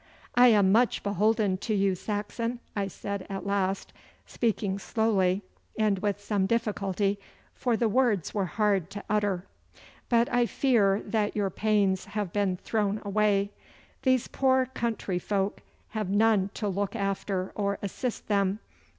'I am much beholden to you, Saxon,' I said at last, speaking slowly and with some difficulty, for the words were hard to utter. 'But I fear that your pains have been thrown away. These poor country folk have none to look after or assist them.